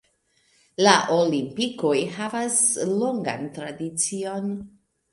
La Olimpikoj havas longan tradicion.